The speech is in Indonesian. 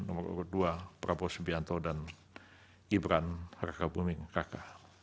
presiden no dua prabowo subianto dan ibran harga bumingkaka